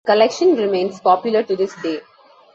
The collection remains popular to this day.